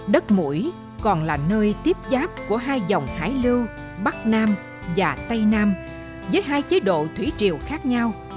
đất mũi còn là nơi tiếp giáp của hai dòng hải lưu bắc nam và tây nam với hai chế độ thủy triều khác nhau